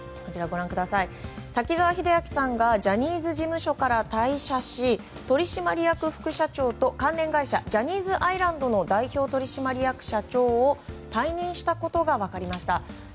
滝沢秀明さんがジャニーズ事務所から退社し取締役副社長と関連会社ジャニーズアイランドの代表取締役社長を退任したことが分かりました。